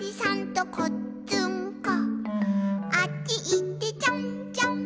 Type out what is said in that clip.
「あっちいってちょんちょん」